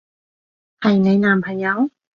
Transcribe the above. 係你男朋友？